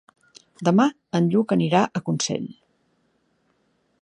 Demà en Lluc anirà a Consell.